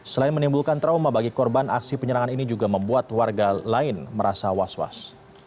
selain menimbulkan trauma bagi korban aksi penyerangan ini juga membuat warga lain merasa was was